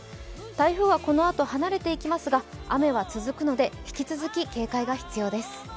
台風はこのあと離れていきますが、雨は続くので、引き続き警戒が必要です。